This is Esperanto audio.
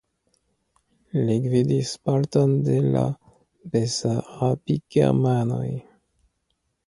Li gvidis parton de la besarabigermanoj.